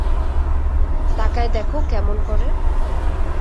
তাকায় দ্যাখো কেমন করে।